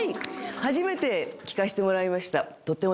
初めて聴かせてもらいました。